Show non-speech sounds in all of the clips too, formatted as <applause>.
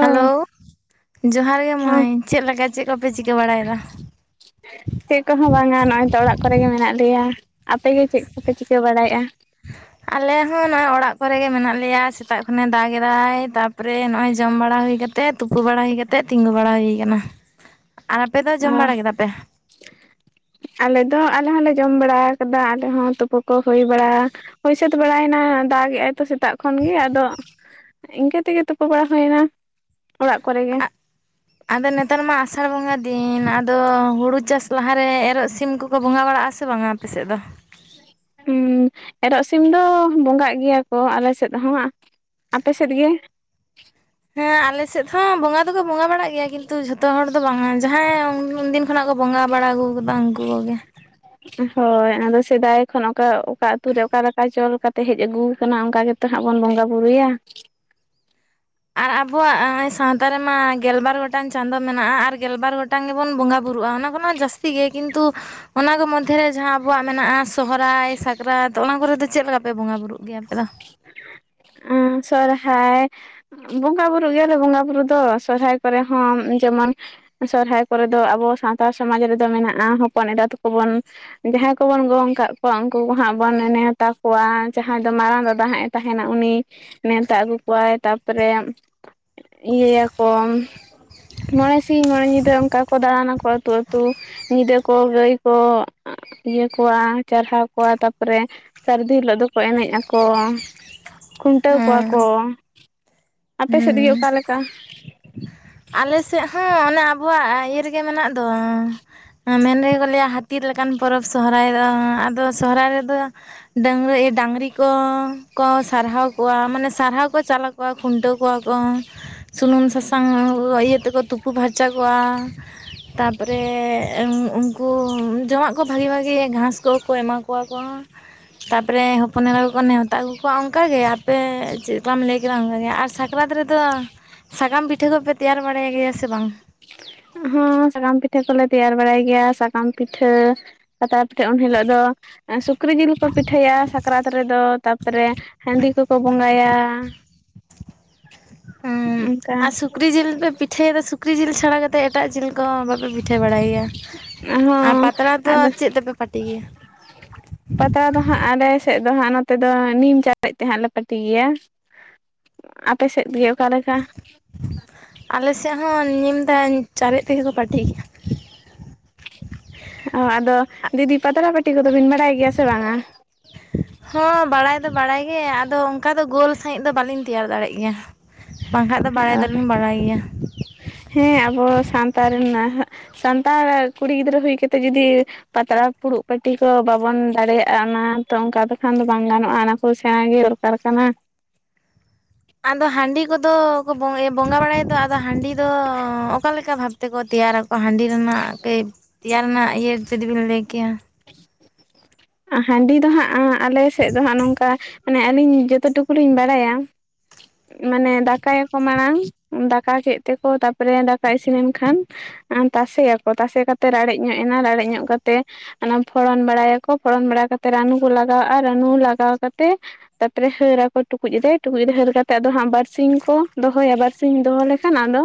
Hello. ᱡᱚᱸᱦᱟᱨ ᱜᱮ ᱦᱚᱸ ᱢᱟᱹᱭ᱾ ᱪᱮᱫ ᱞᱮᱠᱟ ᱪᱮᱫ ᱠᱚᱯᱮ ᱪᱤᱠᱟᱹ ᱵᱟᱲᱟᱭ ᱮᱫᱟ? <inaudible> ᱪᱮᱫ ᱠᱚᱦᱚ ᱵᱟᱝᱟ᱾ ᱱᱚ-ᱚᱭ ᱛᱚ ᱚᱲᱟᱜ ᱠᱚᱨᱮ ᱜᱮ ᱢᱮᱱᱟᱜ ᱞᱮᱭᱟ᱾ ᱟᱯᱮ ᱜᱮ ᱪᱮᱫ ᱠᱚᱯᱮ ᱪᱤᱠᱟᱹ ᱵᱟᱲᱟᱭᱮᱫᱼᱟ? ᱟᱞᱮ ᱦᱚ ᱱᱚᱜ-ᱚᱭ ᱚᱲᱟᱜ ᱠᱚᱨᱮ ᱜᱮ ᱢᱮᱱᱟᱜ ᱞᱮᱭᱟ᱾ ᱥᱮᱛᱟᱜ ᱠᱷᱚᱱᱮ ᱫᱟᱜ ᱮᱫᱟᱭ ᱛᱟᱯᱚᱨᱮ ᱱᱚᱭ ᱡᱚᱢ ᱵᱟᱲᱟ ᱦᱩᱭ ᱠᱟᱛᱼᱼ ᱛᱮ ᱛᱩᱯᱩ ᱵᱟᱲᱟ ᱦᱩᱭ ᱠᱟᱛᱮᱫ ᱛᱤᱜᱩ ᱵᱟᱲᱟ ᱦᱩᱭ ᱟᱠᱟᱱᱟ ᱟᱨ ᱟᱯᱮᱫᱚ ᱚ ᱡᱚᱢ ᱵᱟᱲᱟ ᱠᱮᱫᱟ ᱯᱮ? <inaudible> ᱟᱞᱮ ᱫᱚ ᱟᱞᱮ ᱦᱚᱞᱮ ᱡᱚᱢ ᱵᱟᱲᱟ ᱟᱠᱟᱫᱟ ᱟᱞᱮ ᱦᱚ ᱛᱩᱯᱩ ᱠᱚ ᱦᱩᱭ ᱵᱟᱲᱟ ᱦᱳᱭ ᱥᱟᱹᱛ ᱵᱟᱲᱟᱭᱮᱱᱟ ᱫᱟᱜᱮᱟᱭ ᱛᱚ ᱥᱤᱛ ᱥᱮᱛᱟᱜ ᱠᱷᱚᱱ ᱜᱮ ᱟᱫᱚ ᱤᱱᱠᱟᱹ ᱛᱮᱜᱮ ᱛᱩᱯᱩ ᱵᱟᱲᱟ ᱦᱳᱭᱱᱟ᱾ ᱚᱲᱟᱜ ᱠᱚᱨᱮ ᱜᱮ᱾ ᱟᱫᱚ ᱱᱮᱛᱟᱨ ᱢᱟ ᱟᱥᱟᱲ ᱵᱚᱸᱜᱟ ᱫᱤᱱ ᱟᱫᱚ ᱦᱩᱲᱩ ᱪᱟᱥ ᱞᱟᱦᱟᱨᱮ ᱮᱨᱚᱜ ᱥᱤᱢ ᱠᱚᱠᱚ ᱵᱚᱸᱜᱟ ᱵᱟᱲᱟᱜᱼᱟ ᱥᱮ ᱵᱟᱝᱟ? ᱟᱯᱮᱥᱮᱫ ᱫᱚ᱾ ᱩᱸ ᱮᱨᱚᱜ ᱥᱤᱢ ᱫᱚ ᱵᱚᱸᱜᱟᱜ ᱜᱮᱭᱟ ᱠᱚ ᱟᱞᱮ ᱥᱮᱫ ᱦᱚ᱾ ᱟᱯᱮ ᱥᱮᱫ ᱜᱮ? ᱦᱮ ᱟᱞᱮ ᱥᱮᱫ ᱦᱚᱸ ᱵᱚᱸᱜᱟ ᱫᱚᱠᱚ ᱵᱚᱸᱜᱟ ᱵᱟᱲᱟᱜ ᱜᱮᱭᱟ ᱠᱤᱱᱛᱩ ᱡᱷᱚᱛᱚ ᱦᱚᱲ ᱫᱚ ᱵᱟᱝ ᱟ ᱡᱟᱦᱟᱸᱭ ᱩᱱ ᱫᱤᱱ ᱠᱷᱚᱱ ᱠᱚ ᱵᱚᱸᱜᱟ ᱵᱟᱲᱟ ᱟᱜᱩᱣ ᱟᱠᱟᱫᱟ ᱩᱱᱠᱩ᱾ <unintelligible> ᱦᱳᱭ ᱟᱫᱚ ᱥᱮᱫᱟᱭ ᱠᱷᱚᱱ ᱚᱠᱟ ᱚᱠᱟ ᱟᱹᱛᱩ ᱨᱮ ᱚᱠᱟᱞᱮᱠᱟ ᱪᱚᱞ ᱠᱟᱛᱮ ᱦᱮᱡ ᱟᱹᱜᱩᱣ ᱟᱠᱟᱱᱟ ᱚᱱᱠᱟ ᱜᱮᱛ ᱛᱚ ᱦᱟᱸᱜ ᱵᱚᱱ ᱵᱚᱸᱜᱟ ᱵᱩᱨᱩᱭ-ᱟ᱾ ᱟᱨ ᱟᱵᱚᱣᱟᱜ ᱥᱟᱶᱛᱟ ᱨᱮᱢᱟ ᱜᱮᱞᱵᱟᱨ ᱜᱚᱴᱟᱝ ᱪᱟᱸᱫᱳ ᱢᱮᱱᱟᱜᱼᱟ ᱟᱨ ᱜᱮᱞᱵᱟᱨ ᱜᱚᱴᱟᱝ ᱜᱮᱵᱚᱱ ᱵᱚᱸᱜᱟ ᱵᱩᱨᱩᱜᱼᱟ ᱚᱱᱟ ᱠᱷᱚᱱ ᱦᱚᱸ ᱡᱥᱛᱤ ᱜᱮ ᱠᱤᱱᱛᱩ ᱚᱱᱟ ᱠᱚ ᱢᱚᱫᱽᱫᱷᱮ ᱨᱮ ᱡᱟᱦᱟ ᱟᱵᱚᱣᱟᱜ ᱢᱮᱱᱟᱜᱼᱟ ᱥᱚᱦᱨᱟᱭ ᱥᱟᱠᱟᱨᱟᱛ ᱚᱱᱟ ᱠᱚᱨᱮ ᱫᱚ ᱪᱮᱫ ᱞᱮᱠᱟ ᱯᱮ ᱵᱚᱸᱜᱟ ᱵᱩᱨᱩᱜ ᱜᱮᱭᱟ ᱟᱯᱮ ᱫᱚ? ᱟᱸ ᱥᱚᱨᱦᱟᱭ ᱵᱚᱸᱜᱟ ᱵᱩᱨᱩᱜ ᱜᱮᱭᱟ ᱞᱮ ᱵᱚᱸᱜᱟ ᱵᱩᱨᱩ ᱫᱚ ᱥᱚᱨᱦᱟᱭ ᱠᱚᱨᱮ ᱦᱚ ᱡᱮᱢᱚᱱ ᱥᱚᱨᱦᱟᱭ ᱠᱚᱨᱮ ᱫᱚ ᱟᱵᱚ ᱥᱟᱶᱟᱛᱟ ᱥᱚᱢᱟᱡᱽ ᱨᱮᱫᱚ ᱢᱮᱱᱟᱜᱼᱟ ᱦᱚᱯᱚᱱ ᱮᱨᱟ ᱛᱟᱠᱚᱵᱚᱱ ᱡᱟᱦᱟᱭ ᱠᱚᱵᱚᱱ ᱜᱚᱝ ᱠᱟᱜ ᱠᱚᱣᱟ ᱩᱱᱠᱩ ᱠᱚ ᱦᱟᱸᱜ ᱵᱚᱱ ᱱᱮ-ᱱᱮᱣᱛᱟ ᱠᱚᱣᱟ᱾ ᱡᱟᱦᱟᱭ ᱫᱚ ᱢᱟᱨᱟᱝ ᱫᱟᱫᱟ ᱦᱟᱸᱜ ᱮ ᱛᱟᱦᱮᱸᱱᱟ᱾ ᱩᱱᱤ ᱱᱮᱣᱛᱟ ᱟᱹᱜᱩ ᱠᱚᱣᱟᱭ ᱛᱟᱨ ᱯᱚᱨᱮ ᱤᱭᱟᱟ ᱠᱚ᱾ ᱢᱚᱬᱮᱸ ᱥᱤᱧ ᱢᱚᱬᱮᱸ ᱧᱤᱫᱟᱹ ᱚᱱᱠᱟ ᱠᱚ ᱫᱟᱬᱟᱱᱟ ᱠᱚ ᱟᱹᱛᱩ ᱟᱹᱛᱩ᱾ ᱧᱤᱫᱟᱹ ᱠᱚ ᱜᱟᱹᱭ ᱠᱚ ᱤᱭᱟᱹ ᱠᱚᱣᱟ ᱪᱟᱨᱦᱟᱣ ᱠᱚᱣᱟ ᱛᱟᱯᱚᱨᱮ ᱥᱟᱹᱨᱫᱤ ᱦᱤᱞᱳᱜ ᱫᱚᱠᱚ ᱮᱱᱮᱡ ᱟᱠᱚ᱾ ᱠᱷᱩᱱᱴᱟᱹᱣ ᱠᱚᱣᱟ ᱦᱮᱸ ᱠᱚ᱾ ᱟᱯᱮ ᱥᱮᱫ ᱜᱮ ᱦᱩᱸ ᱚᱠᱟ ᱞᱮᱠᱟ? ᱟᱞᱮ ᱥᱮᱫ ᱦᱚ ᱚᱱᱮ ᱟᱵᱚᱣᱟᱜ ᱤᱭᱟᱹ ᱨᱮᱜᱮ ᱢᱮᱱᱟᱜ ᱫᱚ᱾ ᱢᱮᱱ ᱨᱮᱜᱮ ᱠᱚ ᱞᱟᱹᱭᱟ ᱦᱟᱛ ᱛᱤ ᱞᱮᱠᱟᱱ ᱯᱚᱨᱚᱵᱽ ᱥᱚᱨᱦᱟᱭ ᱫᱚ ᱟᱫᱚ ᱥᱚᱦᱨᱟᱭ ᱨᱮᱫᱚ ᱰᱟᱝᱜᱽᱨᱟᱹ ᱮ ᱰᱟᱝᱨᱤ ᱠᱚ ᱥᱟᱨᱦᱟᱣ ᱠᱚᱣᱟ ᱢᱟᱱᱮ ᱥᱟᱨᱦᱟᱣ ᱠᱚ ᱪᱟᱞ ᱟᱠᱚᱣᱟ᱾ ᱠᱷᱩᱱᱴᱟᱹᱣ ᱠᱚᱣᱟ ᱠᱚ᱾ ᱥᱩᱱᱩᱢ ᱥᱟᱥᱟᱝ ᱤᱭᱟᱹ ᱛᱮᱠᱚ ᱛᱩᱯᱩ ᱯᱷᱟᱨᱪᱟ ᱠᱚᱣᱟ᱾ ᱛᱟᱯᱚᱨᱮ ᱮ ᱩᱱᱠᱩ ᱡᱚᱢᱟᱜ ᱠᱚ ᱵᱷᱟᱜᱮ ᱵᱷᱟᱜᱮ ᱜᱷᱟᱸᱥ ᱠᱚᱠᱚ ᱮᱢᱟ ᱠᱚᱣᱟ ᱠᱚ᱾ ᱛᱟᱨ ᱯᱚᱨᱮ ᱦᱚᱯᱚᱱ ᱮᱨᱟ ᱠᱚ ᱠᱚ ᱱᱮᱣᱛᱟ ᱟᱜᱩ ᱠᱚᱣᱟ ᱚᱱᱠ ᱜᱮ ᱟᱯᱮ ᱪᱮᱫ ᱞᱮᱠᱟᱢ ᱞᱟᱹᱭ ᱠᱮᱫᱟ ᱚᱱᱠᱟ ᱜᱮ ᱟᱨ ᱥᱟᱠᱨᱟᱛ ᱨᱮᱫᱚ ᱥᱟᱠᱟᱢ ᱯᱤᱴᱷᱟᱹ ᱠᱚᱯᱮ ᱛᱮᱭᱟᱨ ᱵᱟᱲᱟᱭ ᱜᱮᱭᱟ ᱥᱮ ᱵᱟᱝ? ᱦᱚᱸ ᱥᱟᱠᱟᱢ ᱯᱤᱴᱷᱟᱹ ᱠᱚᱞᱮ ᱛᱮᱭᱟᱨ ᱵᱟᱲᱟᱭ ᱜᱮᱭᱟ᱾ ᱥᱟᱠᱟᱢ ᱯᱤᱴᱷᱟᱹ᱾ ᱟᱨ ᱛᱟᱨᱯᱚᱨᱮ ᱩᱱ ᱦᱤᱞᱳᱜ ᱫᱚ ᱮᱸ ᱥᱩᱠᱨᱤ ᱡᱤᱞ ᱠᱚ ᱯᱤᱴᱷᱟᱹᱭᱟ ᱥᱟᱠ ᱠᱨᱟᱛ ᱨᱮᱫᱚ ᱛᱟᱯᱚᱨᱮ ᱦᱟᱺᱰᱤ ᱠᱚᱠᱚ ᱵᱚᱸᱜᱟᱭᱟ᱾ ᱦᱩ ᱚᱱᱠᱟ ᱟᱨ ᱥᱩᱠᱨᱤ ᱡᱤᱞ ᱯᱮ ᱯᱤᱴᱷᱟᱹᱭᱟ ᱫᱚ᱾ ᱥᱩᱠᱨᱤ ᱡᱤᱞ ᱪᱷᱟᱲᱟ ᱜᱮᱛ ᱛᱮ ᱮᱴᱟᱜ ᱡᱤᱞ ᱠᱚ ᱵᱟᱯᱮ ᱯᱤᱴᱷᱟᱹ ᱵᱟᱲᱟᱭ ᱜᱮᱭᱟ ᱟᱨ ᱦᱚᱸ ᱯᱟᱛᱲᱟ ᱫᱚ ᱟᱫᱚ ᱪᱮᱫ ᱛᱮᱯᱮ ᱯᱟᱹᱴᱤ ᱜᱮᱭᱟ? <inaudible> ᱯᱟᱛᱲᱟ ᱫᱚ ᱦᱟᱸᱜ ᱟᱞᱮ ᱥᱮᱫ ᱫᱚ ᱦᱟᱸᱜ ᱱᱚᱛᱮ ᱫᱚ ᱱᱤᱢ ᱪᱟᱯᱮᱡ ᱛᱮ ᱦᱟᱸᱜ ᱞᱮ ᱯᱟᱹᱴᱤ ᱜᱮᱭᱟ᱾ ᱟᱯᱮ ᱥᱮᱫ ᱜᱮ ᱚᱠᱟ ᱞᱮᱠᱟ? ᱟᱞᱮ ᱥᱮᱫ ᱦᱚᱸ ᱱᱤᱢ ᱫᱟᱧ ᱪᱟᱨᱮᱡ ᱛᱮᱜᱮ ᱠᱚ ᱯᱟᱹᱴᱤ ᱜᱮᱭᱟ᱾ ᱚ ᱟᱫᱚ ᱫᱤᱫᱤ ᱯᱟᱛᱲᱟ ᱯᱟᱹᱴᱤ ᱠᱚᱫᱚ ᱵᱤᱱ ᱵᱟᱲᱟᱭ ᱜᱮᱭᱟ ᱥᱮ ᱵᱟᱝᱟ? ᱦᱚᱸ ᱵᱟᱲᱟᱭ ᱫᱚ ᱵᱟᱲᱟᱭ ᱜᱮ ᱟᱫᱚ ᱠᱟ ᱫᱚ ᱜᱳᱞ ᱥᱟᱹᱦᱤᱡ ᱫᱚ ᱵᱟᱞᱤᱧ ᱛᱮᱭᱟᱨ ᱫᱟᱲᱮᱜ ᱜᱮᱭᱟ᱾ ᱵᱟᱝᱠᱷᱟᱡ ᱫᱚ ᱵᱟᱲᱟᱭ ᱫᱚᱞᱤᱧ ᱵᱟᱲᱟᱭ ᱜᱮᱭᱟ᱾ ᱦᱮᱸ ᱟᱵᱚ ᱥᱟᱱᱛᱟ ᱨᱮᱱᱟᱦᱜ ᱥᱟᱱᱛᱟᱲ ᱠᱩᱲᱤ ᱜᱤᱫᱽᱨᱟᱹ ᱦᱩᱭ ᱠᱟᱛᱮ ᱡᱩᱫᱤ ᱯᱟᱛᱲᱟ ᱯᱷᱩᱲᱩᱜ ᱯᱟᱹᱴᱤ ᱠᱚ ᱵᱟᱵᱚᱱ ᱫᱟᱲᱮᱭᱟᱜᱼᱟ ᱚᱱᱟ ᱛᱚ ᱚᱱᱠᱟ ᱫᱚᱠᱷᱟᱱ ᱫᱚ ᱵᱟᱝ ᱜᱟᱱᱚᱜᱼᱟ ᱚᱱᱟᱠᱚᱫ ᱥᱮᱬᱟᱸ ᱜᱮ ᱠᱟᱨ ᱠᱟᱱᱟ᱾ ᱟᱫᱚ ᱦᱟᱺᱰᱤ ᱠᱚᱫᱚ ᱠᱚ ᱵᱚᱝ ᱮ ᱵᱚᱸᱜᱟ ᱵᱟᱲᱟᱭ ᱫᱚ ᱟᱫ ᱟᱫᱚ ᱦᱟᱺᱰᱤ ᱫᱚ ᱚᱠᱟᱞᱮᱠᱟ ᱵᱷᱟᱵ ᱛᱮᱠᱚ ᱛᱮᱭᱟᱨᱟᱠᱚ ᱦᱟᱺᱰᱤ ᱨᱮᱱᱟᱜ ᱠᱟᱹᱡ ᱛᱮᱭᱟᱨ ᱨᱮᱱᱟᱜ ᱤᱭᱟᱹ ᱡᱩᱫᱤ ᱵᱤᱱ ᱞᱟᱹᱭ ᱠᱮᱭᱟ᱾ ᱦᱟᱺᱰᱤ ᱫᱚ ᱦᱟᱸᱜ ᱟᱸ ᱟᱞᱮ ᱥᱮᱫ ᱫᱚ ᱦᱟᱸᱜ ᱱᱚᱝᱠᱟ ᱢᱟᱱᱮ ᱟᱹᱞᱤᱧ ᱡᱚᱛ ᱴᱩᱠᱩ ᱞᱤᱧ ᱵᱟᱲᱟᱭᱟ᱾ ᱢᱟᱱᱮ ᱫᱟᱠᱟᱭᱟᱠᱚ ᱢᱟᱲᱟᱝ᱾ ᱫᱟᱠᱟ ᱠᱮᱫ ᱛᱮᱠᱚ ᱛᱟᱨᱯᱚᱨᱮ ᱫᱟᱠᱟ ᱤᱥᱤᱱᱮᱱ ᱠᱷᱟᱱ ᱟᱸ ᱛᱟᱥᱮᱭᱟᱠᱚ᱾ ᱛᱟᱥᱮ ᱠᱟᱛᱮ ᱨᱟᱲᱮᱡ ᱧᱚᱜ ᱮᱱᱟ᱾ ᱨᱟᱲᱮᱡ ᱧᱚᱜ ᱠᱟᱛᱮ ᱚᱱᱟ ᱯᱷᱚᱲᱚᱱ ᱵᱟᱲᱟᱭᱟᱠᱚ᱾ ᱯᱷᱚᱲᱚᱱ ᱵᱟᱲᱟ ᱠᱟᱛᱮ ᱨᱟᱹᱱᱩ ᱠᱚ ᱞᱟᱜᱟᱣᱟᱜᱼᱟ᱾ ᱨᱟᱹᱱᱩ ᱞᱟᱜᱟᱣ ᱠᱟᱛᱮ ᱛᱟᱯᱚᱨᱮ ᱦᱟᱹᱨᱟᱠᱚ ᱠᱚ ᱴᱩᱠᱩᱡ ᱨᱮ᱾ ᱴᱩᱠᱩᱡ ᱨᱮ ᱦᱟᱹᱨ ᱠᱟᱛ ᱛᱮ ᱟᱫᱚ ᱦᱟᱸᱜ ᱵᱟᱨᱥᱤᱧ ᱠᱚ ᱫᱚᱦᱚᱭᱟ᱾ ᱵᱟᱨᱥᱤᱧ ᱫᱚᱦᱚ ᱞᱮᱠᱷᱟᱱ ᱟᱫᱚ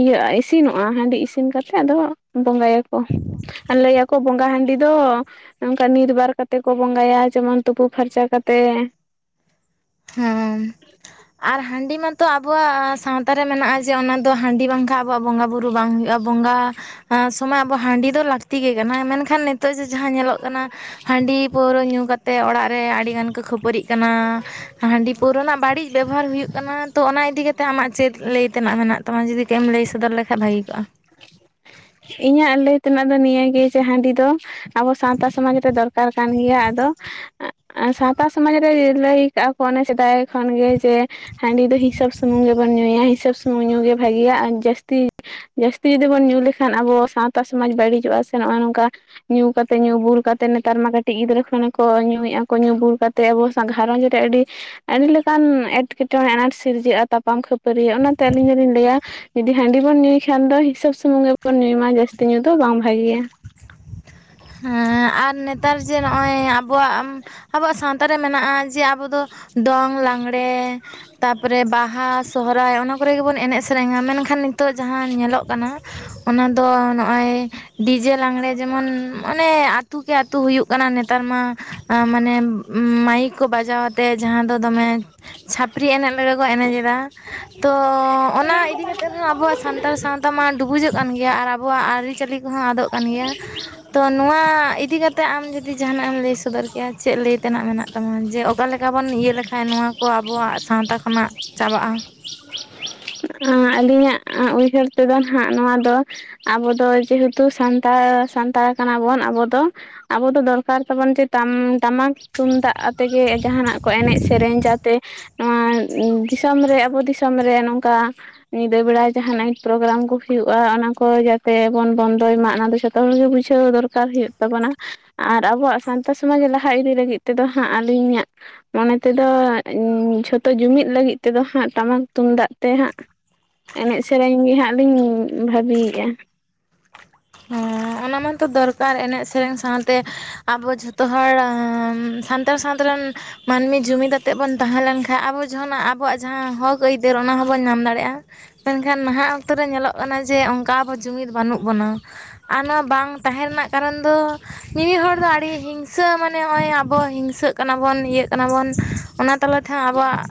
ᱤᱭᱟᱹ-ᱟ ᱤᱥᱤᱱᱚᱜᱼᱟ᱾ ᱦᱟᱺᱰᱤ ᱤᱥᱤᱱ ᱠᱟᱛᱮ ᱟᱫᱚ ᱵᱚᱸᱜᱟᱭᱟ ᱠᱚ᱾ ᱟᱨ ᱞᱟᱹᱭᱟᱠᱚ ᱵᱚᱸᱜᱟ ᱦᱟᱺᱰᱤ ᱫᱚ ᱚᱝᱠᱟ ᱱᱤᱨᱵᱟᱨ ᱠᱟᱛᱮ ᱠᱚ ᱵᱚᱸᱜᱟᱭᱟ ᱡᱮᱢᱚᱱ ᱛᱩᱯᱩ ᱯᱷᱟᱨᱪᱟ ᱠᱟᱛᱮ᱾ ᱦᱳᱭ ᱟᱨ ᱦᱟᱺᱰᱤ ᱢᱟᱛ ᱛᱚ ᱟᱵᱚᱣᱟᱜ ᱥᱟᱶᱛᱟ ᱨᱮ ᱢᱮᱱᱟᱜᱼᱟ ᱡᱮ ᱚᱱᱟᱫᱚ ᱦᱟᱺᱰᱤ ᱵᱟᱝᱠᱷᱟᱱ ᱟᱵᱚᱣᱟᱜ ᱵᱚᱸᱜᱟ ᱵᱩᱨᱩ ᱵᱟᱝ ᱦᱩᱭᱩᱜᱼᱟ᱾ ᱵᱚᱸᱜᱟ ᱟ ᱥᱚᱢᱚᱭ ᱟᱵᱚ ᱦᱟᱺᱰᱤ ᱫᱚ ᱞᱟᱹᱠᱛᱤ ᱜᱮ ᱠᱟᱱᱟ ᱢᱮᱱᱠᱷᱟᱱ ᱱᱤᱛᱚᱜ ᱡᱮ ᱡᱟᱦᱟᱸ ᱧᱮᱞᱚᱜ ᱠᱟᱱᱟ᱾ ᱦᱟᱺᱰᱤ ᱯᱟᱹᱣᱨᱟᱹ ᱧᱩ ᱠᱟᱛᱮ ᱚᱲᱟᱜ ᱨᱮ ᱟᱹᱰᱤᱜᱟᱱ ᱠᱚ ᱠᱷᱟᱹᱯᱟᱹᱨᱤᱜ ᱠᱟᱱᱟ᱾ ᱦᱟᱺᱰᱤ ᱯᱟᱹᱣᱨᱟᱹ ᱨᱮᱱᱟᱜ ᱵᱟᱹᱲᱤᱡ ᱵᱮᱵᱚᱦᱟᱨ ᱦᱩᱭᱩᱜ ᱠᱟᱱᱟ ᱛᱚ ᱚᱱᱟ ᱤᱫᱤ ᱠᱟᱛᱮ ᱟᱢᱟᱜ ᱪᱮᱫ ᱞᱟᱹᱭ ᱛᱮᱱᱟᱜ ᱢᱮᱱᱟᱜ ᱛᱟᱢᱟ? ᱛᱟᱢᱟ ᱡᱩᱫᱤ ᱠᱟᱹᱡ ᱮᱢ ᱞᱟᱹᱭ ᱥᱚᱫᱚᱨ ᱞᱮᱠᱷᱟᱱ ᱵᱷᱟᱹᱜᱤ ᱠᱚᱜᱼᱟ᱾ ᱤᱧᱟᱹᱜ ᱞᱟᱹᱭ ᱛᱮᱱᱟᱜ ᱫᱚ ᱱᱤᱭᱟᱹᱜᱮ ᱡᱮ ᱦᱟᱺᱰᱤ ᱫᱚ ᱟᱵᱚ ᱥᱟᱶᱛᱟ ᱥᱚᱢᱟᱡᱽ ᱨᱮ ᱫᱚᱨᱠᱟᱨ ᱠᱟᱱ ᱜᱮᱭᱟ ᱟᱫᱚ ᱥᱟᱶᱛᱟ ᱥᱚᱢᱟᱡᱽ ᱨᱮ ᱞᱟᱹᱭ ᱠᱟᱜᱼᱟ ᱠᱚ ᱚᱱᱮ ᱥᱮᱫᱟᱭ ᱠᱷᱚᱱ ᱜᱮ ᱡᱮ ᱦᱟᱺᱰᱤ ᱫᱚ ᱦᱤᱥᱟᱹᱵ ᱥᱩᱢᱩᱝ ᱜᱮᱵᱚᱱ ᱧᱩᱭᱟ᱾ ᱦᱤᱥᱟᱹᱵ ᱥᱩᱢᱩᱝ ᱧᱩ ᱜᱮ ᱵᱷᱟᱹᱜᱮᱭᱟ ᱟᱨ ᱡᱟᱹᱥᱛᱤ ᱡᱟᱹᱥᱛᱤ ᱡᱩᱫᱤ ᱵᱚᱱ ᱧᱩ ᱞᱮᱠᱷᱟᱱ ᱟᱵᱚ ᱥᱟᱶᱛᱟ ᱥᱚᱢᱟᱡᱽ ᱵᱟᱹᱲᱤᱡᱚᱜᱼᱟ ᱥᱮ ᱱᱚᱜᱼᱚᱭ ᱱᱚᱝᱠᱟ ᱧᱩ ᱠᱟᱛᱮ ᱧᱩ ᱵᱩᱞ ᱠᱟᱛᱮ ᱱᱮᱛᱟᱨ ᱢᱟ ᱠᱟᱹᱴᱤᱡ ᱜᱤᱫᱽᱨᱟᱹ ᱠᱷᱚᱱᱮ ᱠᱚ ᱧᱩᱭᱮᱫᱼᱟ ᱠᱚ ᱧᱩ ᱵᱩᱞ ᱠᱟᱛ ᱛᱮ ᱟᱵᱚ ᱥᱟᱝ ᱜᱷᱟᱨᱚᱸᱡᱽ ᱨᱮ ᱟᱹᱰᱤ ᱟᱹᱰᱤ ᱞᱮᱠᱟᱱ ᱮᱴᱠᱮᱴᱚᱬᱮᱸ ᱟᱱᱟᱴ ᱥᱤᱨᱡᱟᱹᱜᱼᱟ ᱛᱟᱯᱟᱢ ᱠᱷᱟᱹᱯ ᱯᱟᱹᱨᱤ ᱦᱩᱭᱩᱜ-ᱟ᱾ ᱚᱱᱟᱛᱮ ᱟᱹᱞᱤᱧ ᱫᱚᱞᱤᱧ ᱞᱟᱹᱭᱟ ᱡᱩᱫᱤ ᱦᱟᱺᱰᱤ ᱵᱚᱱ ᱧᱩᱭ ᱠᱷᱟᱱ ᱫᱚ ᱦᱤᱥᱟᱹᱵ ᱥᱩᱢᱩᱝ ᱜᱮᱵᱚ ᱵᱚᱱ ᱧᱩᱭ ᱢᱟ ᱡᱟᱹᱥᱛᱤ ᱧᱩ ᱫᱚ ᱵᱟᱝ ᱵᱷᱟᱜᱮᱭᱟ᱾ ᱦᱮᱸ ᱟᱨ ᱱᱮᱛᱟᱨ ᱡᱮ ᱱᱚᱜᱼᱚᱭ ᱟᱵᱚᱣᱟᱜ ᱟᱵᱚᱣᱟᱜ ᱥᱟᱶᱛᱟ ᱨᱮ ᱢᱮᱱᱟᱜᱼᱟ ᱡᱮ ᱟᱵᱚ ᱫᱚ ᱫᱚᱝ, ᱞᱟᱜᱽᱬᱮ᱾ ᱛᱟᱯᱚᱨᱮ ᱵᱟᱦᱟ, ᱥᱚᱦᱚᱨᱟᱭ ᱚᱱᱟ ᱠᱚᱨᱮ ᱜᱮᱵᱚᱱ ᱮᱱᱮᱡ ᱥᱮᱨᱮᱧᱟ᱾ ᱢᱮᱱᱠᱷᱟᱱ ᱱᱤᱛᱚᱜ ᱡᱟᱦᱟᱸ ᱧᱮᱞᱚᱜ ᱠᱟᱱᱟ᱾ ᱚᱱᱟ ᱫᱚ ᱱᱚᱜᱼᱚᱭ ᱰᱤᱡᱮ ᱞᱟᱝᱬᱮ ᱡᱮᱢᱚᱱ ᱚᱱᱮ ᱟᱹᱛᱩ ᱠᱮ ᱟᱹᱛᱩ ᱦᱩᱭᱩᱜ ᱠᱟᱱᱟ ᱱᱮᱛᱟᱨ ᱢᱟ᱾ ᱟ ᱢᱟᱱᱮ ᱢᱟᱭᱤᱠ ᱠᱚ ᱵᱟᱡᱟᱣ ᱟᱛᱮ ᱡᱟᱦᱟᱸ ᱫᱚ ᱫᱚᱢᱮ ᱪᱷᱟᱹᱯᱨᱤ ᱮᱱᱮᱡ ᱞᱮᱠᱟ ᱠᱚ ᱮᱱᱮᱡ ᱮᱫᱟ ᱛᱚ ᱚᱱᱟ ᱤᱫᱤ ᱠᱟᱛᱮᱫ ᱦᱚᱸ ᱟᱵᱚᱣᱟᱜ ᱥᱟᱱ ᱛᱟᱲ ᱥᱟᱶᱛᱟ ᱢᱟ ᱰᱩᱵᱩᱡᱚᱜ ᱠᱟᱱ ᱜᱮᱭᱟ ᱟᱨ ᱟᱵᱚᱣᱟᱜ ᱟᱹᱨᱤᱪᱟᱹᱞᱤ ᱠᱚᱦᱚᱸ ᱟᱫᱚᱜ ᱠᱟᱱ ᱜᱮᱭᱟ᱾ ᱛᱚ ᱱᱚᱣᱟ ᱤᱫᱤ ᱠᱟᱛᱮ ᱟᱢ ᱡᱩᱫᱤ ᱡᱟᱦᱟᱱᱟᱜ ᱮᱢ ᱞᱟᱹᱭ ᱥᱚᱫᱚᱨ ᱠᱮᱭᱟ ᱪᱮᱫ ᱞᱟᱹᱭ ᱛᱮᱱᱟᱜ ᱢᱮᱱᱟᱜ ᱛᱟᱢᱟ? ᱡᱮ ᱚᱠᱟ ᱞᱮᱠᱟ ᱵᱚᱱ ᱤᱭᱟᱹ ᱞᱮᱠᱷᱟᱱ ᱱᱚᱣᱟ ᱠᱚ ᱟᱵᱚᱣᱟᱜ ᱥᱟᱶᱛᱟ ᱠᱷᱚᱱᱟᱜ ᱪᱟᱵᱟᱜᱼᱟ᱾ ᱟᱸ ᱟᱹᱞᱤᱧᱟᱜ ᱩᱭᱦᱟᱹᱨ ᱛᱮᱫᱚ ᱦᱟᱸᱜ ᱱᱟᱦᱟᱜ ᱱᱚᱣᱟ ᱫᱚ ᱟᱵᱚ ᱫᱚ ᱡᱮᱦᱮᱛᱩ ᱥᱟᱱᱛᱟᱲ ᱥᱟᱱᱛᱟᱲ ᱠᱟᱱᱟ ᱵᱚᱱ ᱟᱵᱚ ᱫᱚ᱾ ᱟᱵᱚ ᱫᱚ ᱫᱚᱨᱠᱟᱨ ᱛᱟᱵᱚᱱ ᱡᱮ ᱴᱟᱢ ᱴᱟᱢᱟᱠ, ᱛᱩᱢᱫᱟᱜ ᱟᱛᱮᱜ ᱜᱮ ᱡᱟᱦᱟᱱᱟᱜ ᱠᱚ ᱮᱱᱮᱡ ᱥᱮᱨᱮᱧ ᱡᱟᱛᱮ ᱱᱚᱣᱟ ᱩᱸ ᱫᱤᱥᱚᱢ ᱨᱮ ᱟᱵᱚ ᱫᱤᱥᱚᱢ ᱨᱮ ᱱᱚᱝᱠᱟ ᱧᱤᱫᱟᱹ ᱵᱮᱲᱟ ᱡᱟᱦᱱᱟᱜ ᱜᱮ ᱯᱨᱳᱜᱨᱟᱢ ᱠᱚ ᱦᱩᱭᱩᱜᱼᱟ ᱚᱱᱟ ᱠᱚ ᱡᱟᱛᱮ ᱵᱚᱱ ᱵᱚᱱᱫᱚᱭ ᱢᱟ, ᱚᱱᱟ ᱫᱚ ᱡᱷᱚᱛᱚ ᱦᱚᱲ ᱜᱮ ᱵᱩᱡᱷᱟᱹᱣ ᱫᱚᱨ ᱠᱟᱨ ᱦᱩᱭᱩᱜ ᱛᱟᱵᱚᱱᱟ ᱟᱨ ᱟᱵᱚᱣᱟᱜ ᱥᱟᱶᱛᱟ ᱥᱚᱢᱟᱡᱽ ᱞᱟᱦᱟ ᱤᱫᱤ ᱞᱟᱹᱜᱤᱫ ᱛᱮᱫᱚ ᱦᱟᱸᱜ ᱟᱹᱞᱤᱧᱟᱜ ᱢᱚᱱᱮ ᱛᱮᱫᱚ ᱡᱷᱚᱛᱚ ᱡᱩᱢᱤᱫ ᱞᱟᱹᱜᱤᱫ ᱛᱮᱫᱚ ᱦᱟᱸᱜ ᱴᱟᱢᱟᱠ ᱛᱩᱢᱫᱟᱜ ᱛᱮ ᱦᱟᱸᱜ ᱮᱱᱮᱡ ᱥᱮᱨᱮᱧ ᱜᱮ ᱦᱟᱸᱜ ᱞᱤᱧ ᱵᱷᱟᱹᱵᱤᱭᱮᱫᱼᱟ᱾ ᱦᱮᱸ ᱚᱱᱟ ᱢᱟᱛᱚ ᱫᱚᱨᱠᱟᱨ ᱮᱱᱮᱡ ᱥᱮᱨᱮᱧ ᱥᱟᱶᱛᱮ ᱟᱵᱚ ᱡᱷᱚᱛᱚ ᱦᱚᱲ ᱥᱟᱱᱛᱟᱲ ᱥᱟᱶᱛᱟ ᱨᱮᱱ ᱢᱟᱹᱱᱢᱤ ᱡᱩᱢᱤᱫ ᱟᱛᱮᱫ ᱵᱚᱱ ᱛᱟᱦᱮᱸ ᱞᱮᱱ ᱠᱷᱟᱱ ᱟᱵᱚ ᱡᱟᱦᱟᱱᱟᱜ ᱟᱵᱚᱣᱟᱜ ᱡᱟᱦᱟᱸ ᱦᱚᱠ ᱟᱹᱭᱫᱟᱹᱨ ᱚᱱᱟ ᱦᱚᱸᱵᱚᱱ ᱧᱟᱢ ᱫᱟᱲᱮᱭᱟᱜᱼᱟ ᱢᱮᱱᱠᱷᱟᱱ ᱱᱟᱦᱟᱜ ᱚᱠᱛᱮ ᱨᱮ ᱧᱮᱞᱚᱜ ᱠᱟᱱᱟ ᱡᱮ ᱚᱱᱠᱟ ᱟᱵᱚ ᱡᱩᱢᱤᱫ ᱵᱟᱹᱱᱩᱜ ᱵᱚᱱᱟ᱾ ᱟᱨ ᱱᱚᱣᱟ ᱵᱟᱝ ᱛᱟᱦᱮᱸ ᱨᱮᱱᱟᱜ ᱠᱟᱨᱚᱱ ᱫᱚ, ᱢᱤᱢᱤᱫ ᱦᱚᱲ ᱫᱚ ᱟᱹᱰᱤ ᱦᱤᱝᱥᱟᱹ ᱢᱟᱱᱮ ᱱᱚᱜᱚᱭ ᱟᱵᱚ ᱦᱤᱝᱥᱟᱹᱜ ᱠᱟᱱᱟ ᱵᱚᱱ ᱤᱭᱟᱹᱜ ᱠᱟᱱᱟ ᱵᱚᱱ ᱚᱱᱟ ᱛᱟᱞᱟ ᱛᱮ ᱦᱚᱸ ᱟᱵᱚᱣᱟᱜ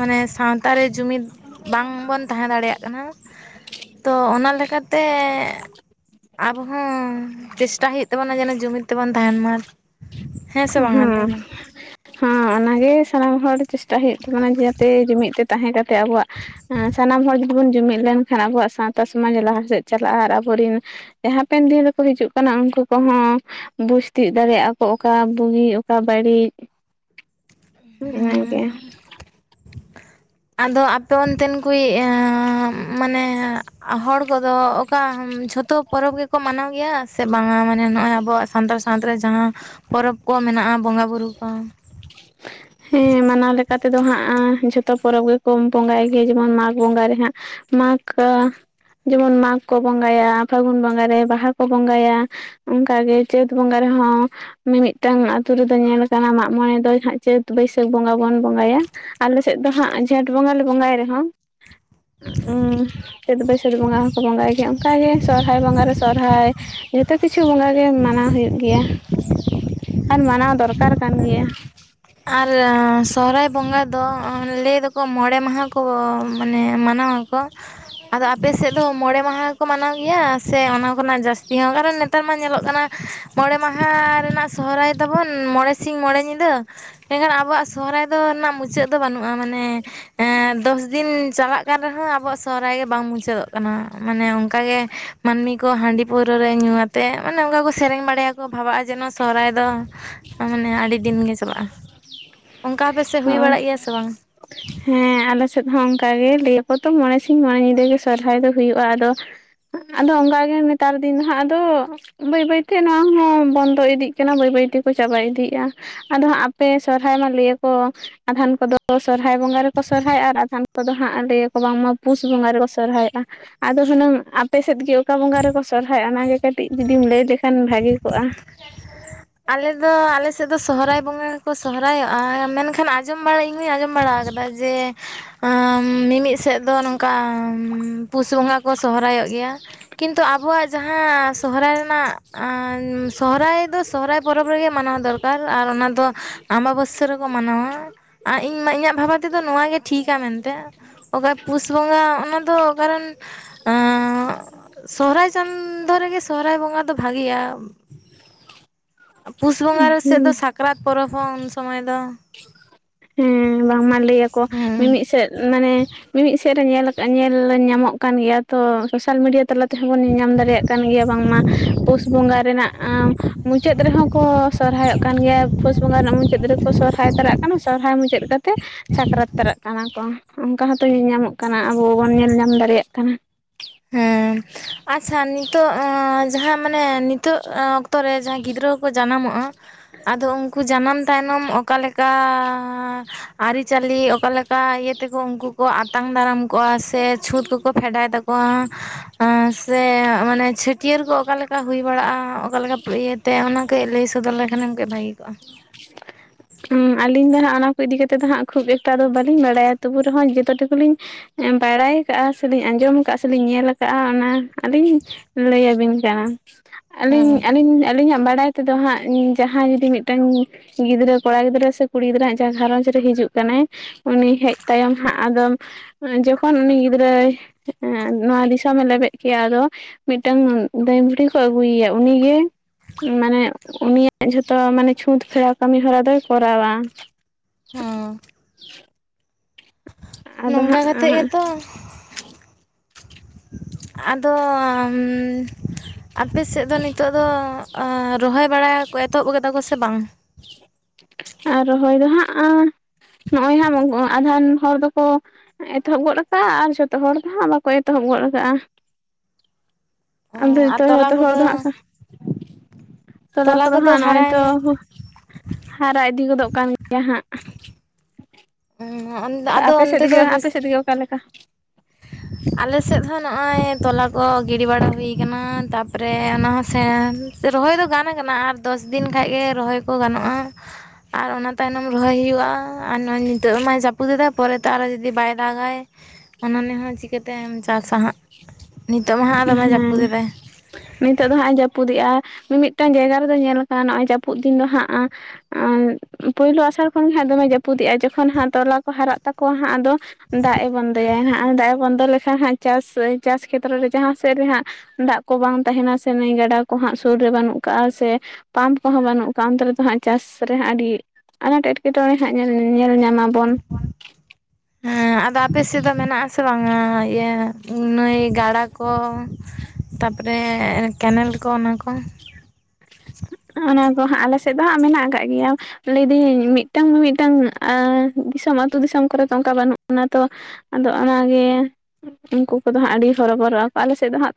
ᱢᱟᱱᱮ ᱥᱟᱶᱛᱟ ᱨᱮ ᱡᱩᱢᱤᱫ ᱵᱟᱝᱵᱚᱱ ᱛᱟᱦᱮᱸ ᱫᱟᱲᱮᱭᱟᱜ ᱠᱟᱱᱟ ᱛᱚ ᱚᱱᱟ ᱞᱮᱠᱟᱛᱮ ᱟᱵᱚ ᱦᱚᱸ ᱪᱮᱥᱴᱟᱭ ᱦᱩᱭᱩᱜ ᱛᱟᱵᱚᱱᱟ ᱡᱮᱱᱚ ᱡᱩᱢᱤᱫ ᱛᱮᱵᱚᱱ ᱛᱟᱦᱮᱱ ᱢᱟ᱾ ᱥᱮ ᱵᱟᱝᱟ ᱞᱟᱹᱭ ᱦᱮᱸ ᱢᱮ ᱦᱟᱸ ᱚᱱᱟᱜᱮ ᱥᱟᱱᱟᱢ ᱦᱚᱲ ᱪᱮᱥᱴᱟᱭ ᱦᱩᱭᱩᱜ ᱛᱟᱵᱚᱱᱟ ᱡᱟᱛᱮ ᱡᱩᱢᱤᱫ ᱛᱮ ᱛᱟᱦᱮᱸ ᱠᱟᱛᱮᱜ ᱟᱵᱚᱣᱟᱜ ᱥᱟᱱᱟᱢ ᱦᱚᱲ ᱵᱚᱱ ᱡᱩᱢᱤᱫ ᱞᱮᱱᱠᱷᱟᱱ ᱟᱵᱚᱣᱟᱜ ᱥᱟᱶᱛᱟ ᱥᱚᱢᱟᱡᱽ ᱞᱟᱦᱟ ᱥᱮᱫ ᱪᱟᱞᱟᱜᱼᱟ ᱟᱨ ᱟᱵᱚᱨᱤᱱ ᱦᱟᱸᱯᱮᱱ ᱫᱤᱱ ᱨᱮᱠᱚ ᱦᱤᱡᱩᱜ ᱠᱟᱱᱟ ᱩᱱᱠᱩ ᱠᱚᱦᱚᱸ ᱵᱩᱡᱽ ᱛᱤᱭᱜ ᱫᱟᱲᱮᱭᱟᱜᱼᱟ ᱠᱚ ᱚᱠᱟ ᱵᱩᱜᱤ ᱚᱠᱟ ᱵᱟᱹᱲᱤᱡ, ᱤᱱᱟ ᱜᱮ᱾ ᱟᱫᱚ ᱟᱯᱮ ᱚᱱᱛᱮᱱ ᱠᱚᱭᱤᱡ ᱢᱟᱱᱮ ᱦᱚᱲ ᱠᱚᱫᱚ ᱚᱠᱟ ᱡᱷᱚᱛᱚ ᱯᱚᱨᱚᱵᱽ ᱜᱮᱠᱚ ᱢᱟᱱᱟᱣ ᱜᱮᱭᱟ ᱥᱮ ᱵᱟᱝᱟ ᱢᱟᱱᱮ ᱱᱚᱜᱼᱚᱭ ᱟᱵᱚᱣᱟᱜ ᱥᱟᱱᱛᱟᱲ ᱥᱟᱶᱛᱟ ᱨᱮ ᱡᱟᱦᱟᱸ ᱯᱚᱨᱚᱵᱽ ᱠᱚ ᱢᱮᱱᱟᱜᱼᱟ ᱵᱚᱸᱜᱟᱼᱵᱩᱨᱩ ᱠᱚ ᱦᱮᱸ ᱢᱟᱱᱟᱣ ᱞᱮᱠᱟᱛᱮᱫᱚ ᱦᱟᱸᱜ ᱡᱷᱚᱛᱚ ᱯᱚᱨᱚᱵᱽ ᱜᱮᱠᱚ ᱵᱚᱸᱜᱟᱭ ᱜᱮᱭᱟ ᱡᱮᱢᱚᱱ ᱢᱟᱜᱽ ᱵᱚᱸᱜᱟ ᱨᱮ ᱦᱟᱸᱜ ᱢᱟᱜᱽ ᱡᱮᱢᱚᱱ ᱢᱟᱜᱽ ᱠᱚ ᱵᱚᱸᱜᱟᱭᱟ ᱯᱷᱟᱹᱜᱩᱱ ᱵᱚᱸᱜᱟᱨᱮ ᱵᱟᱦᱟ ᱠᱚ ᱵᱚᱸᱜᱟᱭᱟ᱾ ᱚᱱᱠᱟᱜᱮ ᱪᱟᱹᱛ ᱵᱚᱸᱜᱟ ᱨᱮ ᱦᱚᱸ ᱢᱤᱢᱤᱫᱴᱟᱹᱝ ᱟᱛᱳ ᱨᱮᱫᱚ ᱧᱮᱞ ᱠᱟᱱᱟ ᱢᱟᱜ ᱢᱚᱬᱮ ᱫᱚ ᱦᱟᱜ ᱪᱟᱹᱛ ᱵᱟᱹᱭᱥᱟᱹᱠᱷ ᱵᱚᱸᱜᱟ ᱵᱚᱱ ᱵᱚᱸᱜᱟᱭᱟ᱾ ᱟᱞᱮ ᱥᱮᱫ ᱫᱚ ᱦᱟᱸᱜ ᱡᱷᱮᱸᱴ ᱵᱚᱸᱜᱟ ᱞᱮ ᱵᱚᱸᱜᱟᱭ ᱨᱮᱦᱚᱸ ᱩᱸ ᱪᱟᱹᱛ ᱵᱟᱹᱭᱥᱟᱹᱠᱷ ᱵᱚᱸᱜᱟ ᱦᱚᱸᱠᱚ ᱵᱚᱸᱜᱟᱭ ᱜᱮᱭᱟ ᱾ᱚᱱᱠᱟᱜᱮ ᱥᱚᱨᱦᱟᱭ ᱵᱚᱸᱜᱟ ᱨᱮ ᱥᱚᱨᱦᱟᱭ ᱛᱚ ᱠᱤᱪᱷᱩ ᱵᱚᱸᱜᱟ ᱜᱮ ᱢᱟᱱᱟᱣ ᱦᱩᱭᱩᱜ ᱜᱮᱭᱟ ᱟᱨ ᱢᱟᱱᱟᱣ ᱫᱚᱨᱠᱟᱨ ᱠᱟᱱ ᱜᱮᱭᱟ᱾ ᱟᱨ ᱥᱚᱦᱨᱟᱭ ᱵᱚᱸᱜᱟ ᱫᱚ ᱞᱟᱹᱭ ᱫᱚᱠᱚ ᱢᱚᱬᱮ ᱢᱟᱦᱟ ᱠᱚ ᱢᱟᱱᱮ ᱢᱟᱱᱟᱣᱟ ᱠᱚ ᱟᱫᱚ ᱟᱯᱮ ᱥᱮᱫ ᱟᱫᱚ ᱢᱚᱬᱮ ᱢᱟᱦᱟ ᱠᱚ ᱢᱟᱱᱟᱣ ᱜᱮᱭᱟ ᱥᱮ ᱚᱱᱟ ᱠᱷᱱᱟᱜ ᱡᱟᱹᱥᱛᱤ ᱦᱚᱸ ᱠᱟᱨᱚᱱ ᱱᱮᱛᱟᱨ ᱢᱟ ᱧᱮᱞᱚᱜ ᱠᱟᱱᱟ ᱢᱚᱬᱮ ᱢᱟᱦᱟ ᱨᱮᱱᱟᱜ ᱥᱚᱦᱚᱨᱟᱭ ᱛᱟᱵᱚᱱ ᱢᱚᱬᱮ ᱥᱤᱧ ᱢᱚᱬᱮ ᱧᱤᱫᱟᱹ, ᱢᱮᱱᱠᱷᱟᱱ ᱟᱵᱚᱣᱟᱜ ᱥᱚᱦᱚᱨᱟᱭ ᱫᱚ ᱨᱮᱱᱟᱜ ᱢᱩᱪᱟᱹᱫ ᱫᱚ ᱵᱟᱹᱱᱩᱜᱼᱟ ᱢᱟᱱᱮ ᱮ ᱫᱚᱥᱫᱤᱱ ᱪᱟᱞᱟᱜ ᱠᱟᱱ ᱨᱮᱦᱚᱸ ᱟᱵᱚᱣᱟᱜ ᱥᱚᱦᱨᱟᱭ ᱜᱮ ᱵᱟᱝ ᱢᱩᱪᱟᱹᱫᱚᱜ ᱠᱟᱱᱟ᱾ ᱢᱟᱱᱮ ᱚᱱᱠᱟ ᱜᱮ ᱢᱟᱹᱱᱢᱤ ᱠᱚ ᱦᱟᱺᱰᱤ ᱯᱟᱹᱣᱨᱟᱹ ᱨᱟᱹ ᱧᱩ ᱟᱛᱮ ᱢᱟᱱᱮ ᱚᱱᱠᱟ ᱠᱚ ᱥᱮᱨᱮᱧ ᱵᱟᱲᱟᱭᱟᱠᱚ᱾ ᱠᱚ ᱵᱷᱟᱜᱼᱟ ᱡᱮ ᱱᱚᱣᱟ ᱥᱚᱨᱦᱟᱭ ᱫᱚ ᱢᱟᱱᱮ ᱟᱹᱰᱤ ᱫᱤᱱ ᱜᱮ ᱪᱟᱞᱟᱜᱼᱟ᱾ ᱚᱱᱠᱟ ᱟᱯᱮ ᱥᱮᱫ ᱦᱩᱭ ᱦᱳᱭ ᱵᱟᱲᱟᱜ ᱜᱮᱭᱟ ᱥᱮ ᱵᱟᱝ? ᱦᱮᱸ ᱟᱞᱮ ᱥᱮᱫ ᱦᱚᱸ ᱚᱱᱠᱟᱟᱜᱮ ᱞᱟᱹᱭ ᱟᱠᱚᱛᱚ ᱢᱚᱬᱮ ᱥᱤᱧ ᱢᱚᱬᱮ ᱧᱤᱫᱟᱹ ᱜᱮ ᱥᱚᱨᱦᱟᱭ ᱫᱚ ᱦᱩᱭᱩᱜᱼᱟ ᱟᱫᱚ ᱟᱫᱚ ᱚᱱᱠᱟ ᱜᱮ ᱱᱮᱛᱟᱨ ᱫᱤᱱ ᱫᱚ ᱦᱟᱜ ᱟᱫᱚ ᱵᱟᱹᱭ ᱵᱟᱹᱭ ᱛᱮ ᱱᱚᱣᱟ ᱦᱚᱸ ᱵᱚᱱᱫᱚ ᱤᱫᱤᱜ ᱠᱟᱱᱟ ᱵᱟᱹᱭ ᱵᱟᱹᱭ ᱛᱮᱠᱚ ᱪᱟᱵᱟ ᱤᱫᱤᱭᱮᱜᱼᱟ᱾ ᱟᱫᱚ ᱦᱟᱸᱜ ᱟᱯᱮ ᱥᱚᱨᱦᱟᱭ ᱢᱟ ᱞᱟᱹᱭᱟᱠᱚ ᱟᱫᱷᱮᱱ ᱠᱚᱫᱚ ᱥᱚᱨᱦᱟᱭ ᱵᱚᱸᱜᱟ ᱨᱮᱠᱚ ᱥᱚᱨᱦᱟᱭᱚᱜᱼᱟ ᱟᱨ ᱟᱫᱷᱟᱱ ᱠᱚᱫᱚ ᱦᱟᱸᱜ ᱞᱟᱹᱭ ᱟᱠᱚ ᱵᱟᱝᱢᱟ ᱯᱩᱥ ᱵᱚᱸᱜᱟ ᱨᱮᱠᱚ ᱥᱚᱨᱦᱟᱚᱜᱼᱟ᱾ ᱟᱫᱚ ᱦᱩᱱᱟᱹᱝ ᱟᱯᱮ ᱥᱮᱫ ᱜᱮ ᱚᱠᱟ ᱵᱚᱸᱜᱟ ᱨᱮᱠᱚ ᱥᱚᱨᱦᱟᱭᱚᱜᱼᱟ ᱚᱱᱟᱜᱮ ᱠᱟᱹᱴᱤᱡ ᱡᱩᱫᱤᱢ ᱞᱟᱹᱭ ᱞᱮᱠᱷᱟᱱ ᱵᱷᱟᱹᱜᱮ ᱠᱚᱜᱼᱟ᱾ ᱟᱞᱮ ᱫᱚ ᱟᱞᱮ ᱥᱮᱫ ᱥᱮᱫ ᱫᱚ ᱥᱚᱦᱚᱨᱟᱭ ᱵᱚᱸᱜᱟ ᱜᱮᱠᱚ ᱥᱚᱦᱚᱨᱟᱭᱚᱜᱼᱟ ᱢᱮᱱᱠᱷᱟᱱ ᱟᱸᱡᱚᱢ ᱵᱟᱲᱟ ᱤᱧ ᱦᱚᱧ ᱟᱸᱡᱚᱢ ᱵᱟᱲᱟ ᱟᱠᱟᱫᱟ ᱡᱮ ᱢᱤᱢᱤᱫ ᱥᱮᱫ ᱫᱚ ᱱᱚᱝᱠᱟ ᱯᱩᱥ ᱵᱚᱸᱜᱟ ᱠᱚ ᱥᱚᱦᱨᱟᱭᱚᱜ ᱜᱮᱭᱟ ᱠᱤᱱᱛᱩ ᱟᱵᱚᱣᱟᱜ ᱡᱟᱦᱟᱸ ᱥᱚᱦᱚᱨᱟᱭ ᱨᱮᱱᱟᱜ ᱚᱸ ᱥᱚᱦᱨᱟᱭ ᱫᱚ ᱥᱚᱨᱟᱭ ᱯᱚᱨᱚᱵᱽ ᱨᱮᱜᱮ ᱢᱟᱱᱟᱣ ᱫᱚᱨᱠᱟᱨ ᱟᱨ ᱚᱱᱟ ᱫᱚ ᱟᱢᱵᱟᱵᱟᱹ ᱥᱭᱟᱹ ᱨᱮᱠᱚ ᱢᱟᱱᱟᱣᱟ ᱾ ᱟᱨ ᱤᱧ ᱢᱟ ᱤᱧᱟᱹᱜ ᱵᱷᱟᱵᱟᱣ ᱛᱮᱫᱚ ᱱᱚᱣᱟ ᱜᱮ ᱴᱷᱤᱠᱟ ᱢᱮᱱ ᱮᱛ, ᱚᱠᱟ ᱯᱩᱥ ᱵᱚᱸᱜᱟ ᱚᱱᱟ ᱫᱚ ᱠᱟᱨᱚᱱ ᱮᱸ ᱥᱚᱦᱨᱟᱭ ᱪᱟᱸᱫᱚ ᱨᱮᱜᱮ ᱥᱚᱦᱚᱨᱟᱭ ᱵᱚᱸᱜᱟ ᱫᱚ ᱵᱷᱟᱜᱮᱭᱟ, ᱯᱩᱥ ᱵᱚᱸᱜᱟ ᱨᱮ ᱥᱮᱫ ᱦᱩᱸ ᱫᱚ ᱥᱟᱠᱨᱟᱛ ᱯᱚᱨᱚᱵᱽ ᱦᱚᱸ ᱩᱱ ᱥᱚᱢᱚᱭ ᱫᱚ, ᱦᱮᱸ ᱵᱟᱝᱢᱟ ᱞᱟᱹᱭᱟᱠᱚ ᱦᱩᱸ ᱢᱤᱢᱤᱫ ᱥᱮᱫ ᱢᱟᱱᱮ ᱢᱤᱢᱤᱫ ᱥᱮᱫ ᱨᱮ ᱧᱮᱞ ᱧᱮᱞ ᱧᱟᱢᱚᱜ ᱠᱟᱱ ᱜᱮᱭᱟ ᱛᱚ ᱥᱳᱥᱟᱞ ᱢᱤᱰᱤᱭᱟ ᱛᱟᱞᱟ ᱛᱮᱦᱚᱸ ᱵᱚᱱ ᱧᱮᱞᱧᱟᱢ ᱫᱟᱲᱮᱭᱟᱜ ᱠᱟᱱ ᱜᱮᱭᱟ ᱵᱟᱝᱢᱟ ᱯᱩᱥ ᱵᱚᱸᱜᱟ ᱨᱮᱱᱟᱜ ᱢᱩᱪᱟᱹᱫ ᱨᱮᱦᱚᱸ ᱠᱚ ᱥᱚᱨᱦᱟᱭᱚᱜ ᱠᱟᱱ ᱜᱮᱭᱟ᱾ ᱯᱩᱥ ᱵᱚᱸᱜᱟ ᱨᱮᱱᱟᱜ ᱢᱩᱪᱟᱹᱫ ᱨᱮᱠᱚ ᱥᱚᱨᱦᱟᱭ ᱛᱟᱨᱟᱜ ᱠᱟᱱᱟ ᱥᱚᱨᱦᱟᱭ ᱢᱩᱪᱟᱹᱫ ᱠᱟᱛᱮ ᱥᱟᱠᱨᱟᱛ ᱛᱟᱨᱟ ᱠᱟᱱᱟ ᱠᱚ᱾ ᱚᱱᱠᱟ ᱦᱚᱸᱛᱚ ᱧᱮᱞ ᱧᱟᱢᱚᱜ ᱠᱟᱱᱟ ᱟᱵᱚ ᱵᱚᱱ ᱧᱮᱞ ᱧᱟᱢ ᱫᱟᱲᱮᱭᱟᱜ ᱠᱟᱱᱟ᱾ ᱦᱮᱸ, ᱟᱪᱪᱷᱟ ᱱᱤᱛᱚᱜ ᱮᱸ ᱡᱟᱦᱟᱸ ᱢᱟᱱᱮ ᱱᱤᱛᱚᱜ ᱮᱸ ᱚ ᱛᱚ ᱨᱮ ᱡᱟᱦᱟᱸᱭ ᱜᱤᱫᱽᱨᱟᱹ ᱠᱚᱠᱚ ᱡᱟᱱᱟᱢᱚᱜᱼᱟ ᱟᱫᱚ ᱩᱱᱠᱩ ᱡᱟᱱᱟᱢ ᱛᱟᱭ ᱱᱚᱢ ᱚᱠᱟᱞᱮᱠᱟᱻ ᱟᱹᱨᱤᱪᱟᱹᱞᱤ ᱚᱠᱟᱮᱠᱟ ᱤᱭᱟᱹ ᱛᱮᱠᱚ ᱩᱱᱠᱩ ᱠᱚ ᱟᱛᱟᱝ ᱫᱟᱨᱟᱢ ᱠᱚᱜᱼᱟ ᱥᱮ ᱪᱷᱩᱸᱛ ᱠᱚᱠᱚ ᱯᱷᱮᱰᱟᱭ ᱛᱟᱠᱚᱣᱟ ᱮᱸ ᱥᱮ ᱢᱟᱱᱮ ᱪᱷᱟᱹᱴᱭᱟᱹᱨ ᱠᱚ ᱚᱠᱟᱞᱮᱠᱟ ᱦᱩᱭ ᱵᱟᱲᱟᱜᱼᱟ ᱚᱠᱟᱞᱮᱠᱟ ᱤᱭᱟᱹ ᱛᱮ ᱚᱱᱟ ᱠᱟᱹᱡ ᱞᱟᱹᱭ ᱥᱚᱫᱚᱨ ᱞᱮᱠᱷᱟᱱᱮᱢ ᱠᱟᱹᱡ ᱵᱷᱟᱹᱜᱮ ᱠᱚᱜᱼᱟ᱾ ᱦᱩᱸ ᱟᱞᱤᱧ ᱫᱚ ᱦᱟᱸᱜ ᱚᱱᱟ ᱠᱚ ᱤᱫᱤ ᱠᱟᱛᱮ ᱫᱚ ᱦᱟᱸᱜ ᱠᱷᱩᱵ ᱮᱠᱴᱟ ᱫᱚ ᱵᱟᱹᱞᱤᱧ ᱵᱟᱲᱟᱭᱟ ᱛᱚᱵᱩ ᱨᱮᱦᱚᱸ ᱡᱚᱛᱚ ᱴᱩᱠᱩᱞᱤᱧ ᱮᱸ ᱵᱟᱲᱟᱭ ᱠᱟᱜᱼᱟ ᱥᱮᱞᱤᱧ ᱟᱸᱡᱚᱢ ᱟᱠᱟᱜᱼᱟ ᱥᱮᱞᱤᱧ ᱧᱮᱞ ᱠᱟᱜᱼᱟ ᱚᱱᱟ ᱟᱹᱞᱤᱧ ᱞᱟᱹᱭ ᱟᱹᱵᱤᱱ ᱠᱟᱱᱟ᱾ ᱦᱮᱸ ᱟᱹᱞᱤᱧ ᱟᱹᱞᱤᱧ ᱟᱹᱞᱤᱧᱟᱜ ᱵᱟᱲᱟᱭ ᱛᱮᱫᱚ ᱦᱟᱸᱜ ᱡᱟᱦᱟᱸᱭ ᱡᱩᱫᱤ ᱢᱤᱫᱴᱟᱝ ᱜᱤᱫᱽᱨᱟᱹ ᱠᱚᱲᱟ ᱜᱤᱫᱽᱨᱟᱹ ᱥᱮ ᱠᱩᱲᱤ ᱜᱤᱫᱽᱨᱟᱹ ᱦᱟᱸᱜ ᱡᱟᱦᱟᱸ ᱜᱷᱟᱨᱚᱧᱡᱽ ᱨᱮ ᱦᱤᱡᱩᱜ ᱠᱟᱱᱟᱭ, ᱩᱱᱤ ᱦᱮᱡ ᱛᱟᱭᱚᱢ ᱦᱟᱸᱜ ᱟᱫᱚᱢ ᱡᱚᱠᱷᱚᱱ ᱩᱱᱤ ᱜᱤᱫᱽᱨᱟᱹᱭ ᱮᱸ ᱱᱚᱣᱟ ᱫᱤᱥᱚᱢᱮ ᱞᱮᱵᱮᱫ ᱠᱮᱜ-ᱟ ᱟᱫᱚ ᱢᱤᱫᱴᱟᱹᱝ ᱫᱟᱹᱭ ᱵᱷᱩᱲᱦᱤ ᱠᱚ ᱟᱹᱜᱩᱭᱮᱭᱟ ᱩᱱᱤ ᱜᱮ ᱢᱟᱱᱮ ᱩᱱᱤᱭᱟᱜ ᱡᱷᱚᱛᱚ ᱢᱟᱱᱮ ᱪᱷᱩᱸᱛ ᱯᱷᱮᱲᱟᱣ ᱠᱟᱹᱢᱤ ᱦᱚᱨᱟ ᱫᱚᱭ ᱠᱚᱨᱟᱣᱟ᱾ ᱦᱩᱸ᱾ ᱟᱫᱚ ᱱᱚᱝᱠᱟ ᱦᱟᱸᱜ ᱠᱟᱛᱮᱜ ᱜᱮᱛᱚ ᱟᱫᱚᱻ ᱟᱯᱮ ᱥᱮᱫ ᱫᱚ ᱱᱤᱛᱚᱜ ᱫᱚ ᱮᱸ ᱨᱚᱦᱚᱭ ᱵᱟᱲᱟᱭᱟᱠᱚ ᱮᱛᱚᱦᱚᱵ ᱠᱟᱫᱟ ᱠᱚ ᱥᱮ ᱵᱟᱝ? ᱮᱸ ᱨᱚᱦᱚᱭ ᱫᱚ ᱦᱟᱸᱜ ᱟᱸ ᱱᱚᱜᱼᱚᱭ ᱦᱟᱸᱜ ᱟᱫᱷᱮᱱ ᱦᱚᱲ ᱫᱚᱠᱚ ᱮᱛᱚᱦᱚᱵ ᱜᱚᱫ ᱠᱟᱜᱼᱟ ᱟᱨ ᱡᱷᱚᱛᱚ ᱦᱚᱲ ᱫᱚ ᱦᱟᱸᱜ ᱵᱟᱠᱚ ᱮᱛᱚᱦᱚᱵ ᱜᱚᱫ ᱠᱟᱜᱼᱟ᱾ ᱟᱫᱚ ᱟᱨ ᱡᱷᱚᱛᱚ ᱛᱚᱞᱟ ᱡᱷᱚᱛᱚ ᱦᱚᱲ ᱫᱚ ᱦᱟᱸᱜ ᱠᱚᱫᱚ ᱠᱷᱟᱱ ᱛᱚᱞᱟ ᱠᱚᱫᱚ ᱦᱟᱸᱜ ᱱᱚᱜᱼᱚᱭ ᱛᱚ ᱦᱟᱨᱟ ᱤᱫᱤ ᱜᱚᱫᱚᱜ ᱠᱟᱱ ᱜᱮᱭᱟ ᱦᱟᱸᱜ᱾ ᱟᱫᱚ ᱟᱯᱮ ᱥᱮᱫ ᱚᱱᱛᱮ ᱜᱮ ᱫᱚ ᱟᱯᱮ ᱵᱮᱥ ᱥᱮᱫ ᱜᱮ ᱚᱠᱟ ᱞᱮᱠᱟ? ᱟᱞᱮ ᱥᱮᱫ ᱦᱚᱸ ᱱᱚᱜᱼᱚᱭ ᱛᱚᱞᱟ ᱠᱚ ᱜᱤᱰᱤ ᱵᱟᱲᱟ ᱦᱩᱭ ᱠᱟᱱᱟ ᱛᱟᱯᱚᱨᱮ ᱚᱱᱟ ᱦᱚᱸ <unintelligible> ᱥᱮ ᱨᱚᱦᱚᱭ ᱫᱚ ᱜᱟᱱ ᱟᱠᱟᱱᱟ ᱟᱨ ᱫᱚᱥ ᱫᱤᱱ ᱠᱷᱟᱡ ᱜᱮ ᱨᱚᱦᱚᱭ ᱠᱚ ᱜᱟᱱᱚᱜᱼᱟ᱾ ᱟᱨ ᱚᱱᱟ ᱛᱟᱭᱱᱚᱢ ᱨᱚᱦᱚᱭ ᱦᱩᱭᱩᱜᱼᱟ, ᱟᱨ ᱱᱤᱛᱚᱜ ᱢᱟᱭ ᱡᱟᱯᱩᱫ ᱮᱫᱟ ᱯᱚᱨᱮ ᱛᱮ ᱟᱨᱚ ᱡᱩᱫᱤ ᱵᱟᱭ ᱫᱟᱜᱟᱭ ᱚᱱᱟ ᱱᱮ ᱦᱚᱸ ᱪᱤᱠᱟᱹᱛᱮᱢ ᱪᱟᱥᱟ ᱦᱟᱸᱜ, ᱱᱤᱛᱚᱜ ᱢᱟ ᱦᱟᱸᱜ ᱫᱚᱢᱮ ᱡᱟᱹᱯᱩᱫ ᱦᱮᱸ ᱮᱫᱟᱭ᱾ ᱱᱤᱛᱚᱜ ᱫᱚ ᱦᱟᱸᱜ-ᱮ ᱡᱟᱹᱯᱩᱫᱮᱜᱼᱟ ᱢᱤᱢᱤᱫᱴᱟᱹᱝ ᱡᱟᱭᱜᱟ ᱨᱮᱫᱚ ᱧᱮᱞ ᱠᱟᱱᱟ ᱱᱚᱜᱼᱚᱭ ᱡᱟᱹᱯᱩᱫ ᱫᱤᱱ ᱫᱚ ᱦᱟᱸᱜ ᱮᱸ ᱯᱩᱭᱞᱩ ᱟᱥᱟᱲ ᱠᱷᱚᱱ ᱜᱮ ᱦᱟᱸᱜ ᱫᱚᱢᱮ ᱡᱟᱹᱯᱩᱫᱮᱜᱼᱟᱭ ᱡᱚᱠᱷᱚᱱ ᱦᱟᱸᱜ ᱛᱚᱞᱟ ᱠᱚ ᱦᱟᱨᱟᱜ ᱛᱟᱠᱚᱣᱟ ᱦᱟᱸᱜ ᱟᱫᱚ ᱫᱟᱜ ᱮ ᱵᱚᱱᱫᱚᱭᱟᱭ ᱦᱟᱸᱜ ᱫᱟᱜ ᱮ ᱵᱚᱱᱫᱚ ᱞᱮᱠᱷᱟᱱ ᱦᱟᱸᱜ ᱪᱟᱥ ᱪᱟᱥ ᱠᱷᱮᱛᱨᱚ ᱨᱮ ᱡᱟᱦᱟᱸ ᱥᱮᱫ ᱨᱮ ᱦᱟᱸᱜ ᱫᱟᱜ ᱠᱚ ᱵᱟᱝ ᱛᱟᱦᱮᱱᱟ ᱥᱮ ᱱᱟᱹᱭ ᱜᱟᱰᱟ ᱠᱚ ᱦᱟᱸᱜ ᱥᱩᱨ ᱨᱮ ᱵᱟᱹᱱᱩᱜ ᱠᱟᱜᱼᱟ ᱥᱮ ᱯᱟᱢᱯ ᱠᱚᱦᱚᱸ ᱵᱟᱹᱱᱩᱜ ᱠᱟᱜ-ᱟ ᱚᱱᱛᱮ ᱨᱮᱫᱚ ᱦᱟᱸᱜ ᱪᱟᱥ ᱨᱮ ᱦᱟᱸᱜ ᱟᱹᱰᱤ ᱟᱱᱟᱴ ᱮᱸᱴᱠᱮᱴᱚᱬᱮ ᱦᱟᱸᱜ ᱧᱮᱞ ᱧᱮᱞ ᱧᱟᱢᱟᱵᱚᱱ᱾ ᱦᱮᱸ, ᱟᱫᱚ ᱟᱯᱮ ᱥᱮᱫ ᱫᱚ ᱢᱮᱱᱟᱜ-ᱟ ᱥᱮ ᱵᱟᱝᱟ ᱤᱭᱟᱹ ᱱᱟᱹᱭ ᱜᱟᱰᱟ ᱠᱚ, ᱛᱟᱯᱚᱨᱮ ᱠᱮᱱᱮᱞ ᱠᱚ ᱚᱱᱟ ᱠᱚ? <inaudible> ᱚᱱᱟ ᱫᱚ ᱦᱟᱸᱜ ᱟᱞᱮ ᱥᱮᱫ ᱫᱚ ᱦᱟᱸᱜ ᱢᱮᱱᱟᱜ ᱟᱠᱟᱜ ᱜᱮᱭᱟ᱾ ᱞᱟᱹᱭᱫᱟᱹᱧ ᱢᱤᱫᱴᱟᱝ ᱢᱤᱢᱤᱫᱴᱟᱝ ᱟ ᱫᱤᱥᱚᱢ ᱟᱹᱛᱩ ᱫᱤᱥᱚᱢ ᱠᱚᱨᱮ ᱫᱚ ᱚᱱᱠᱟ ᱵᱟᱹᱱᱩᱜ ᱵᱚᱱᱟ ᱛᱚ᱾ ᱟᱫᱚ ᱚᱱᱟᱜᱮ ᱩᱱᱠᱩ ᱠᱚᱫᱚ ᱦᱟᱸᱜ ᱟᱹᱰᱤ ᱦᱚᱨᱚ ᱵᱚᱨᱚᱜ ᱟᱠᱚ᱾ ᱟᱞᱮ ᱥᱮᱫ ᱫᱚ ᱦᱟᱸᱜ